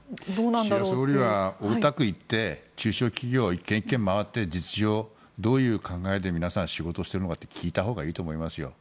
岸田総理は大田区行って中小企業１軒１軒回って実情、どういう考えで皆さん仕事しているのかって聞いたほうがいいと思いますよ。